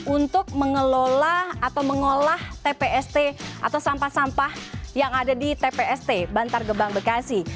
untuk mengelola atau mengolah tpst atau sampah sampah yang ada di tpst bantar gebang bekasi